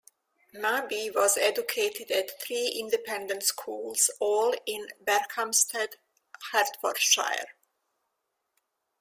Mabey was educated at three independent schools, all in Berkhamsted, Hertfordshire.